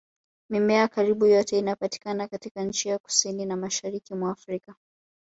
Mimea karibu yote inayopatikana katika nchi za Kusini na Mashariki mwa Afrika